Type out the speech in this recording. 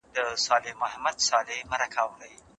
په دغه نامه کي ډېر لوی راز پټ دی.